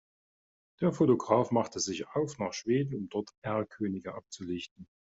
Der Fotograf machte sich auf nach Schweden, um dort Erlkönige abzulichten.